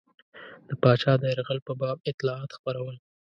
د پاچا د یرغل په باب اطلاعات خپرول.